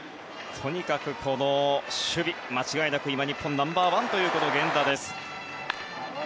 とにかく守備で、間違いなく今日本ナンバー１という源田。